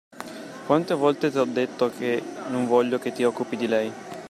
Quante volte t'ho detto che non voglio che ti occupi di lei.